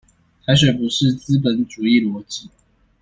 台水不是資本主義邏輯